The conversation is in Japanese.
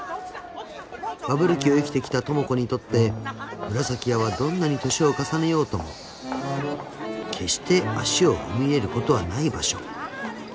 ［バブル期を生きてきた智子にとってむらさき屋はどんなに年を重ねようとも決して足を踏み入れることはない場所］